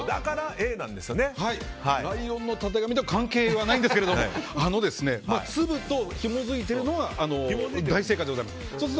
ライオンのたてがみとは関係ないんですが粒とひもづいているのは大正解です。